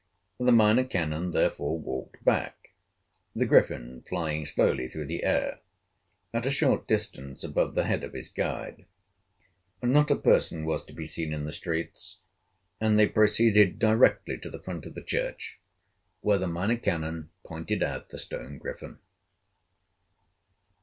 The Minor Canon, therefore, walked back, the Griffin flying slowly through the air, at a short distance above the head of his guide. Not a person was to be seen in the streets, and they proceeded directly to the front of the church, where the Minor Canon pointed out the stone griffin.